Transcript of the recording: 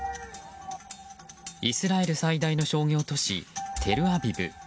イスラエル最大の商業都市テルアビブ。